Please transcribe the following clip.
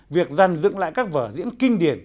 việc dàn dựng lại các vở diễn kinh điển